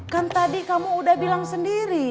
kan tadi kamu udah bilang sendiri